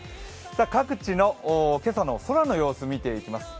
各地の今朝の空の様子を見ていきます。